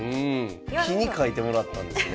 木に書いてもらったんですね。